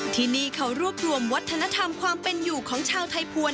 ที่นี่เขารวบรวมวัฒนธรรมความเป็นอยู่ของชาวไทยภวร